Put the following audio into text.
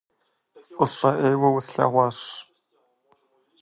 ФӀыщэ Ӏейуэ услъэгъуащ…